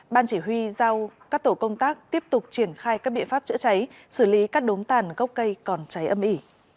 ban chỉ huy giao các tổ công tác tiếp tục triển khai các biện pháp chữa cháy xử lý các đốm tàn gốc cây còn cháy âm ỉ